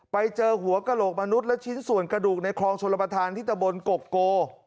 ไปเจอหัวกระโหลกมนุษย์และชิ้นส่วนกระดูกในคลองชลประธานที่ตะบนกกโก